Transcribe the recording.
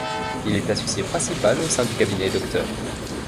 Il est associé principal au sein du cabinet Dr.